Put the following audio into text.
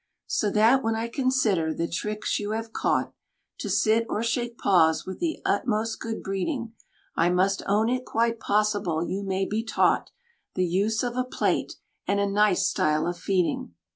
So that when I consider the tricks you have caught, To sit or shake paws with the utmost good breeding, I must own it quite possible you may be taught The use of a plate, and a nice style of feeding.